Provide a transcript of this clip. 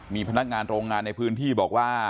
มีพนักงานโรงงานในพื้นที่บอกว่า